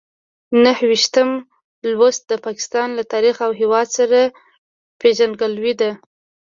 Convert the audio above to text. نهه ویشتم لوست د پاکستان له تاریخ او هېواد سره پېژندګلوي ده.